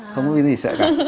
không có gì sợ cả